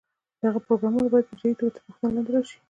د هغه پروګرامونه باید په جدي توګه تر پوښتنې لاندې راشي.